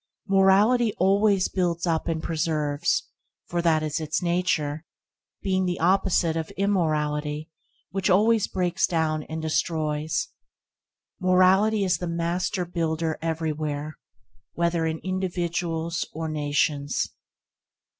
Morality always builds up and preserves, for that is its nature, being the opposite of immorality, which always breaks down and destroys. Morality is the master–builder everywhere, whether in individuals or nations.